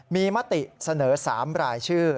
มีมติเสนอ๓รายชื่อ